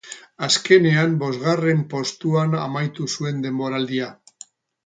Azkenean bosgarren postuan amaitu zuen denboraldia.